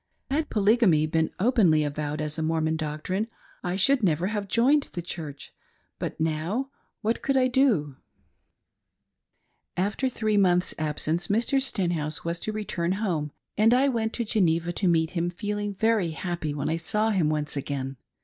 Had polygamy been openly avowed as a Mormon doctrine I should never have joined the Church. But now, what could Ido.^ 130 CERTAIN UNBLUSHING FALSEHOODS. After three months' absence, Mr. Stenhouse was to return home, and I went to Geneva to meet him, feeling very happy : when I saw him once again.